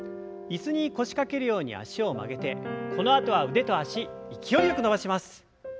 椅子に腰掛けるように脚を曲げてこのあとは腕と脚勢いよく伸ばします。